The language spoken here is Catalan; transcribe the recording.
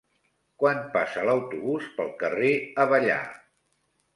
Quan passa l'autobús pel carrer Avellà?